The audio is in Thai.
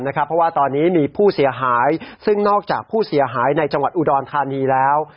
เพราะว่าตอนนี้มีผู้เสียหายซึ่งนอกจากผู้เสียหายในจังหวัดอุดรธานีแล้ว